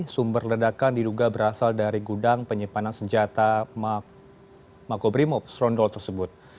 sumber ledakan diduga berasal dari gudang penyimpanan senjata makobrimob serondol tersebut